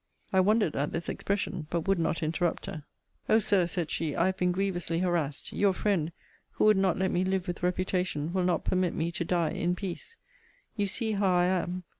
I wondered at this expression;* but would not interrupt her. * Explained in Letter XXVIII. of this volume. O Sir, said she, I have been grievously harassed. Your friend, who would not let me live with reputation, will not permit me to die in peace. You see how I am.